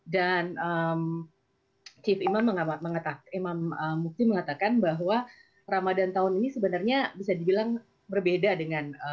dan chief imam mengatakan bahwa ramadan tahun ini sebenarnya bisa dibilang berbeda dengan